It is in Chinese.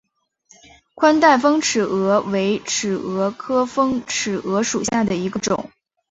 宽带峰尺蛾为尺蛾科峰尺蛾属下的一个种。